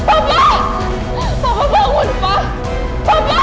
apa yang terjadi sekarang